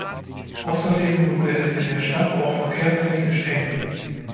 Ausserdem wurde es in der Stadt auch verkehrstechnisch eng.